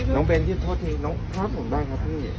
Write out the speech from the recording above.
น้องเบนที่โทษนี้น้องโทษหน่อยครับพี่